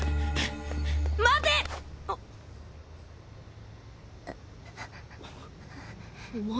待て！お前。